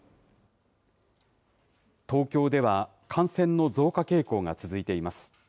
東京では感染の増加傾向が続いています。